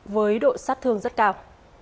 với độ sát thương rất cao